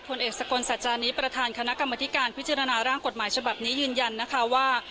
ผลเอกสกลสัจจานิประธานคณะกรรมธิการพิจารณาร่างกฎหมายฉบับนี้ยืนยันนะคะว่า